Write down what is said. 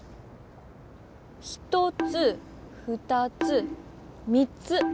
１つ２つ３つ。